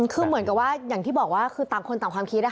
คือเหมือนกับว่าอย่างที่บอกว่าคือต่างคนต่างความคิด